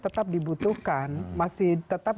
tetap dibutuhkan masih tetap